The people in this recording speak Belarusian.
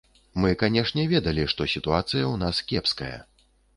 Мы, канешне, ведалі, што сітуацыя ў нас кепская.